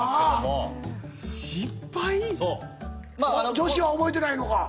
女子は覚えてないのか？